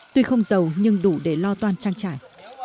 tuy không giàu nhưng đủ để lo toan trang trải